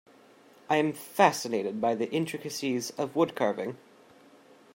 I am fascinated by the intricacies of woodcarving.